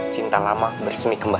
cinta lama bersemi kembali